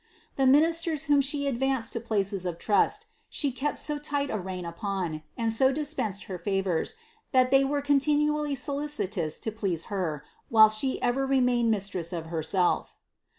The ministers whom she advanced to places of trust she kept so tight a rein ipon, and so dispensed her favours, that they were continually solici tous to please her, whilst she ever remained mistress of herself.'